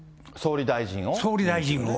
総理大臣を？